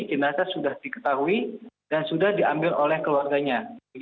jenazah sudah diketahui dan sudah diambil oleh keluarganya